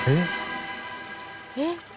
えっ？